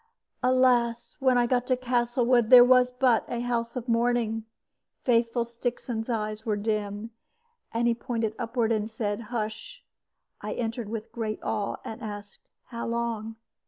Alas! when I got to Castlewood, there was but a house of mourning! Faithful Stixon's eyes were dim, and he pointed upward and said, "Hush!" I entered with great awe, and asked, "How long?"